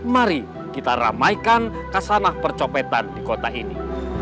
mari kita ramaikan kasanah percopetan di kota ini